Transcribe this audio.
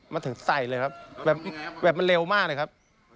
มันถึงใส่เลยครับแบบมันเร็วมากเลยครับ